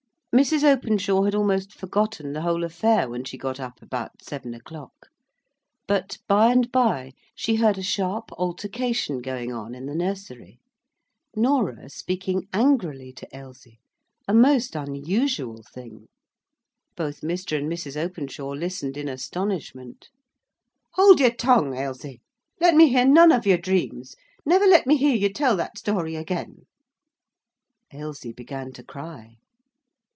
Mrs. Openshaw had almost forgotten the whole affair when she got up about seven o'clock. But, bye and bye, she heard a sharp altercation going on in the nursery. Norah speaking angrily to Ailsie, a most unusual thing. Both Mr. and Mrs. Openshaw listened in astonishment. "Hold your tongue, Ailsie! let me hear none of your dreams; never let me hear you tell that story again!" Ailsie began to cry.